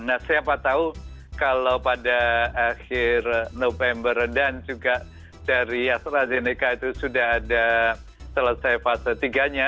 nah siapa tahu kalau pada akhir november dan juga dari astrazeneca itu sudah ada selesai fase tiga nya